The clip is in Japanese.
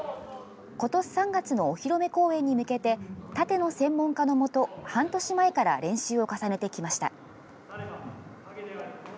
今年３月のお披露目公演に向けて殺陣の専門家のもと半年前から練習を重ねてきました。